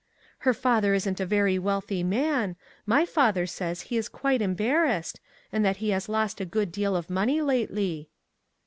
Her father isn't a very wealthy man; my father says he is quite em barrassed, and that he has lost a good deal of money lately."